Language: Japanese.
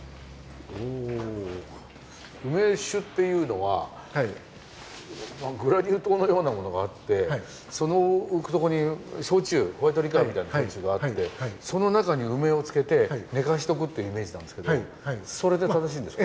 梅酒っていうのはグラニュー糖のようなものがあってそこに焼酎ホワイトリカーみたいな焼酎があってその中に梅を漬けて寝かしとくっていうイメージなんですけどそれで正しいんですか？